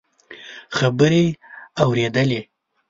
خبرې اورېدلې.